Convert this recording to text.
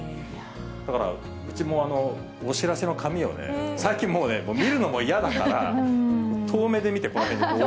だから、うちもお知らせの紙をね、最近もうね、見るのも嫌だから、確かに。